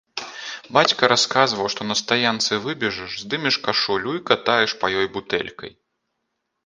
Бацька расказваў, што на стаянцы выбежыш, здымеш кашулю і катаеш па ёй бутэлькай.